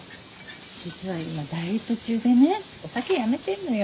実は今ダイエット中でねお酒やめてんのよ。